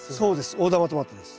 大玉トマトです。